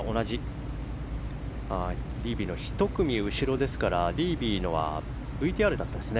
リービーの１組後ろですからリービーのはＶＴＲでしたね。